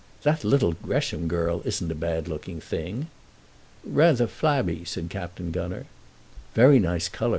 That little Gresham girl isn't a bad looking thing." "Rather flabby," said Captain Gunner. "Very nice colour.